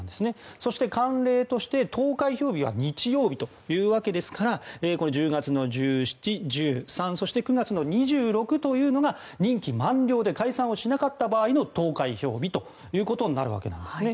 そして、慣例として投開票日は日曜日というわけですからこの１０月１７日、１０日、３日そして９月の２６日というのが任期満了で解散をしなかった場合の投開票日になるわけなんですね。